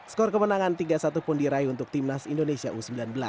skor kemenangan tiga satu pun diraih untuk timnas indonesia u sembilan belas